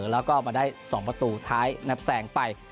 แล้วก็มาได้๒ประตูท้ายนับแสงไป